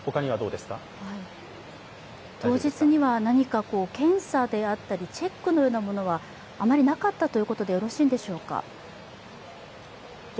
当日には何か検査であったりチェックのようなものはあまりなかったということでよろしいんでしょうか？